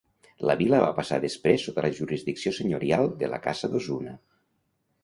La vila va passar després sota la jurisdicció senyorial de la Casa d'Osuna.